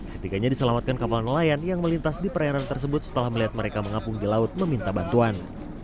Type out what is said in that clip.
ketiganya diselamatkan kapal nelayan yang melintas di perairan tersebut setelah melihat mereka mengapung di laut meminta bantuan